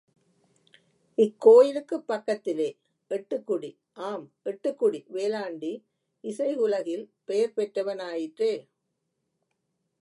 இக் கோயிலுக்குப் பக்கத்திலே எட்டிக்குடி.. ஆம், எட்டிக் குடி வேலாண்டி இசை உலகில் பெயர் பெற்றவனாயிற்றே.